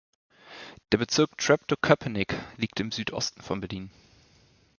Der Bezirk Treptow-Köpenick liegt im Südosten von Berlin.